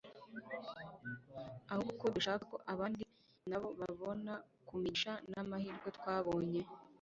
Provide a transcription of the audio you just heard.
ahubwo ko dushaka ko abandi na bo babona ku migisha n’amahirwe twabonye